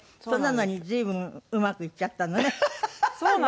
それなのに随分うまくいっちゃったのね。